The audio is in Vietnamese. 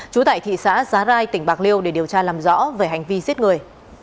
trú tại thị xã giá rai tỉnh bạc liêu để điều tra làm rõ về hành vi giết người